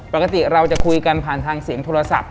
ปกติเราจะคุยกันผ่านทางเสียงโทรศัพท์